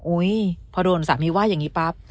พอโดนสามีว่าอย่างนี้ปั๊บ